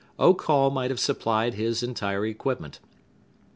Oak Hall might have supplied his entire equipment.